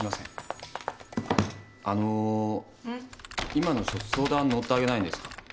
今の人相談乗ってあげないんですか？